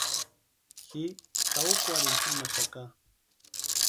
Ji taa úkwarhini jamaxaka.